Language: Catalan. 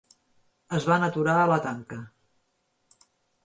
Es van aturar a la tanca.